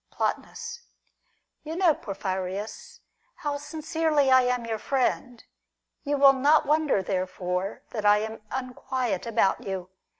Plotinus. You know, Porphyrias, liow sincerely I am your friend. You will not wonder therefore that I am unquiet about you.